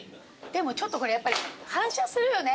でもちょっとこれやっぱり反射するよね。